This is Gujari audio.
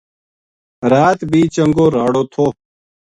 رات بھی چنگو راڑو تھو